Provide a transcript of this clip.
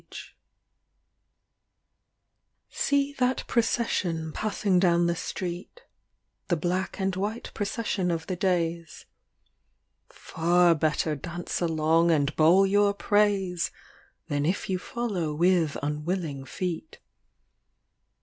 THE DIWAN OP ABUŌĆÖL ALA 47 LXIV See that procession passing down the street, The black and white procession of the days Par better dance along and bawl your praise Than if you follow with unwilling feet.